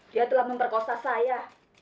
dia telah memperkosa saya